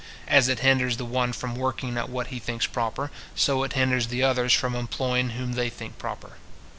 As it hinders the one from working at what he thinks proper, so it hinders the others from employing whom they think proper.